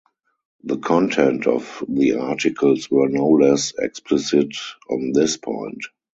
The content of the articles were no less explicit on this point.